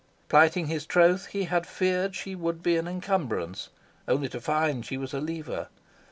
Plighting his troth, he had feared she would be an encumbrance, only to find she was a lever.